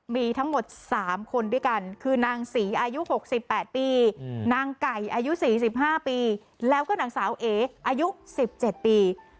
มีทั้งหมด๓คนด้วยกันคือนางศรีอายุ๖๘ปีนางไก่อายุ๔๕ปีแล้วก็นางสาวเออายุ๑๗ปี